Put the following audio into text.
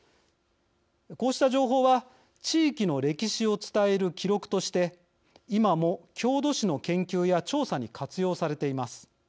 こうした情報は地域の歴史を伝える記録として今も郷土史の研究や調査に活用されています。